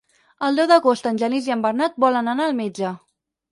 El deu d'agost en Genís i en Bernat volen anar al metge.